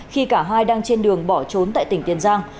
khi cả hai đang trên đường bỏ trốn tại tỉnh tiền giang